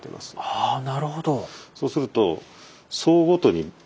ああなるほど。